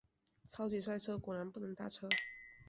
超级塞车，果然不能搭车